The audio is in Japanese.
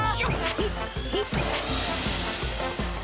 ほっほっ！